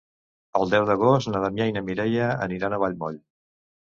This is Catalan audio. El deu d'agost na Damià i na Mireia aniran a Vallmoll.